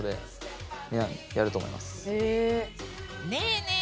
ねえねえ